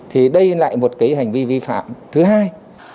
thì đây lại một cái hành vi vi phạm thứ hai